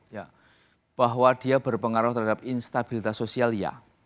ya bahwa dia berpengaruh terhadap instabilitas sosial ya